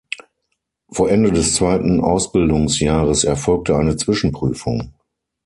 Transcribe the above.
Vor Ende des zweiten Ausbildungsjahres erfolgte eine Zwischenprüfung.